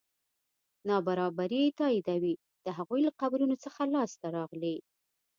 نابرابري تاییدوي د هغوی له قبرونو څخه لاسته راغلي.